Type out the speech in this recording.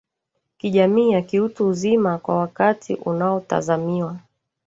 kijamii ya kiutu uzima kwa wakati unaotazamiwa